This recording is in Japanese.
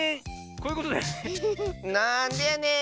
なんでやねん！